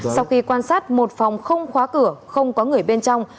sau khi quan sát một phòng không khóa cửa không có người bên trong